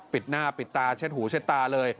ปิดหน้าปิดตาเช็ดหูเช็ดตาเลย